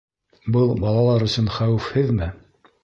Был балалар өсөн хәүефһеҙме?